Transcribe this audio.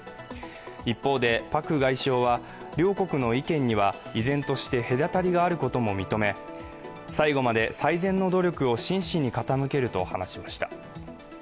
一方で、パク外相は、両国の意見には依然として隔たりがあることも認め最後まで最善の努力を真摯に傾けると話しました。